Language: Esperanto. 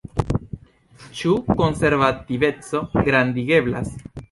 Ĉu konservativeco gradigeblas?